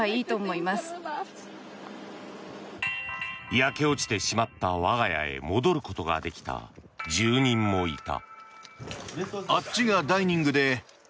焼け落ちてしまった我が家へ戻ることができた住人もいた。